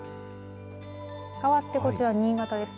かわってこちら、新潟です。